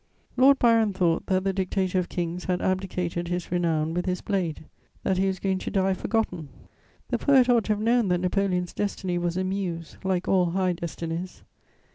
Lord Byron thought that the dictator of kings had abdicated his renown with his blade, that he was going to die forgotten. The poet ought to have known that Napoleon's destiny was a muse, like all high destinies.